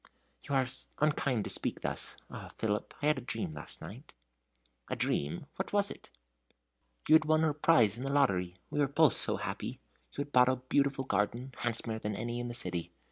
"You are unkind to speak thus. Ah, Philip, I had a dream last night." "A dream what was it?" "You had won a prize in the lottery; we were both so happy! you had bought a beautiful garden, handsomer than any in the city.